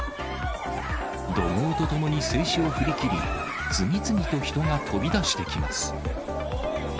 怒号とともに制止を振り切り、次々と人が飛び出してきます。